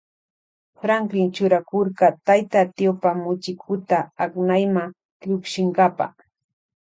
Franklin churakurka tayta tiopa muchikuta aknayma llukshinkapa.